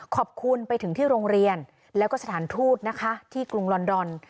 ขอบคุณไปถึงที่โรงเรียนแล้วก็สถานทูตนะคะที่กรุงลอนดอน